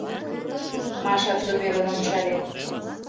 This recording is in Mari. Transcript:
Маша тудым ӧрын ончале: